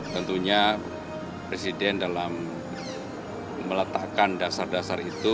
tentunya presiden dalam meletakkan dasar dasar itu